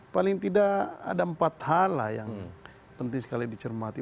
paling tidak ada empat hal lah yang penting sekali dicermati